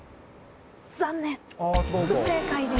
残念不正解です。